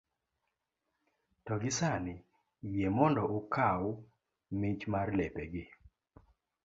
to gi sani, yie mondo ukaw mich mar lepegi